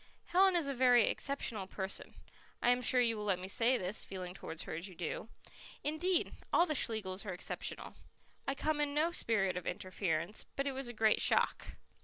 Helen is a very exceptional person I am sure you will let me say this, feeling towards her as you do indeed, all the Schlegels are exceptional. I come in no spirit of interference, but it was a great shock."